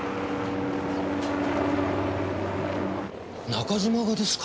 中島がですか？